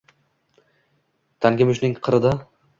Tangimushning qirida: